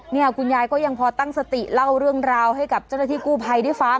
คุณยายก็ยังพอตั้งสติเล่าเรื่องราวให้กับเจ้าหน้าที่กู้ภัยได้ฟัง